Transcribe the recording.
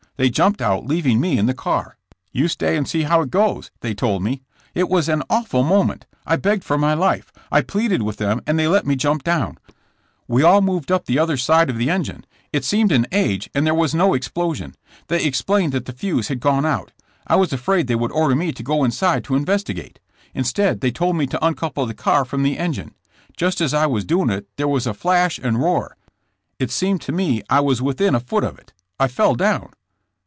They jumped out leaving me in the car. 'You stay and see how it goes!' they told me. "It was an awful moment. I begged for my life. I pleaded with them and they let me jump down. We all moved up on the other side of the en gine. It seemed an age and there was no explosion. They explained that the fuse had gone out. I was afraid they would order me to go inside to investi gate. Instead they told me to uncouple the car from the engine. Just as I was doing it there was a flash and roar. It seemed to me I was within a foot of it! I fell down.